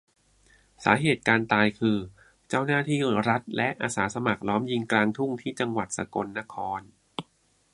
สาเหตุการตายคือ เจ้าหน้าที่รัฐและอาสาสมัครล้อมยิงกลางทุ่ง ที่จังหวัดสกลนคร